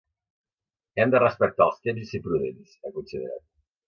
Hem de respectar els temps i ser prudents, ha considerat.